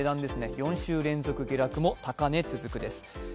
４週連続下落も高値続くです。